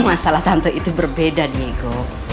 masalah tante itu berbeda diego